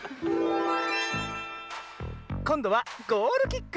こんどはゴールキック。